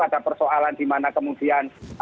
ada persoalan dimana kemudian